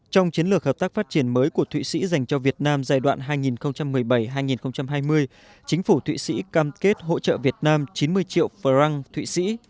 trong chiến lược hợp tác phát triển mới của thụy sĩ dành cho việt nam giai đoạn hai nghìn một mươi bảy hai nghìn hai mươi chính phủ thụy sĩ cam kết hỗ trợ việt nam chín mươi triệu franc thụy sĩ